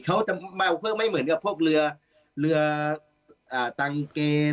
เขาจะเมาเครื่องไม่เหมือนกับพวกเรือเรือตังเกณฑ์